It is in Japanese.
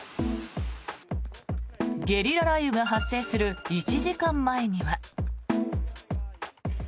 ゲリラ雷雨が発生する１時間前には。